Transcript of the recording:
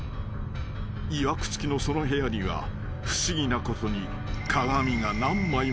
［いわく付きのその部屋には不思議なことに鏡が何枚もあるという］